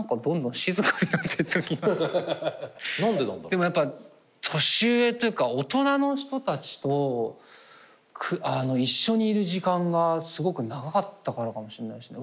でもやっぱ年上というか大人の人たちと一緒にいる時間がすごく長かったからかもしれないです。